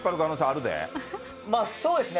あまあ、そうですね。